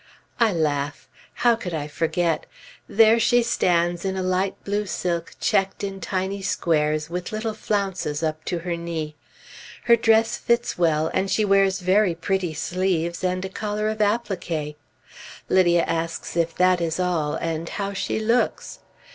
I laugh; how could I forget? There she stands in a light blue silk checked in tiny squares, with little flounces up to her knee. Her dress fits well, and she wears very pretty sleeves and collar of appliqué. Lydia asks if that is all, and how she looks.